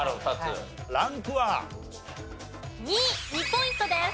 ２。２ポイントです。